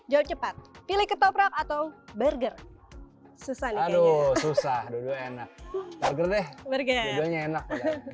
jawab cepat pilih ketoprak atau burger susah aduh susah enak